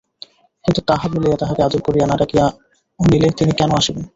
কিন্তু তাহা বলিয়া তাঁহাকে আদর করিয়া না ডাকিয়া অনিলে তিনি কেন আসিবেন?